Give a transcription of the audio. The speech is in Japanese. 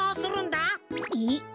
えっ？